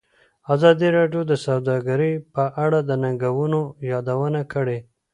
ازادي راډیو د سوداګري په اړه د ننګونو یادونه کړې.